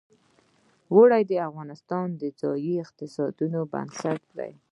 اوړي د افغانستان د ځایي اقتصادونو بنسټ دی.